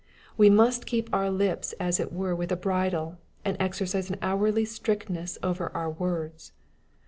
— We must keep our lips as it were with a bridle, and exercise an hourly strictness over our words.